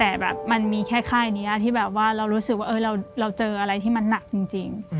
แต่แบบมันมีแค่ค่ายนี้ที่แบบว่าเรารู้สึกว่าเราเจออะไรที่มันหนักจริง